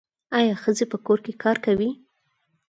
آیا ښځې په کور کې کار کوي؟